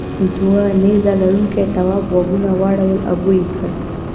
دوو نیزه لرونکو تواب غوږونه واړول او بوی یې کړ.